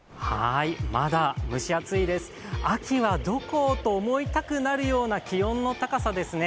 まだ蒸し暑いです、秋はどこと思いたくなるような気温の高さですね。